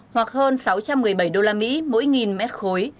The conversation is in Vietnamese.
hoặc hơn sáu trăm một mươi bảy đô la mỹ